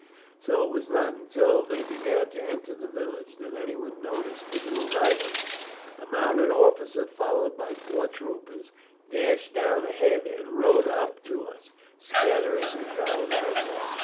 So it was not until they began to enter the village that anyone noticed the new arrivals. A mounted officer, followed by four troopers, dashed down ahead and rode up to us, scattering the crowd right and left.